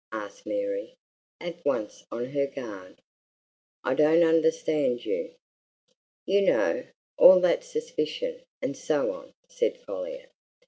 asked Mary, at once on her guard. "I don't understand you." "You know all that suspicion and so on," said Folliot.